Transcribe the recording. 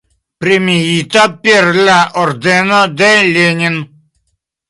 Premiita per la ordeno de Lenin.